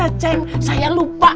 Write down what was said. kece saya lupa